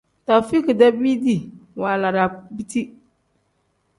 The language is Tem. Taufik-dee biidi waala daa biti.